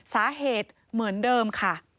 สาเหตุเหมือนเดิมค่ะ